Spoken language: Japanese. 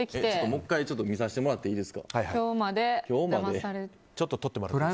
もう１回見させてもらっていいですか。